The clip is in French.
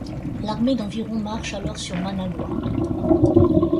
L'armée d'environ marche alors sur Managua.